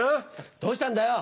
どうしたんだよ？